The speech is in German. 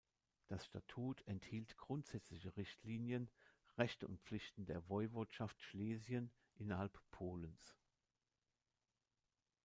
Das Statut enthielt grundsätzliche Richtlinien, Rechte und Pflichten der Woiwodschaft Schlesien innerhalb Polens.